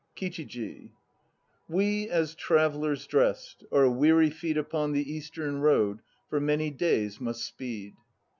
KICHIJI. We as travellers dressed Our weary feet upon the Eastern road For many days must speed.